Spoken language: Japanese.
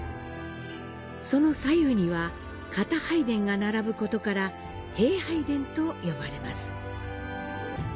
その左右には、片拝殿が並ぶことから幣拝殿と呼ばれます。